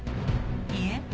いいえ。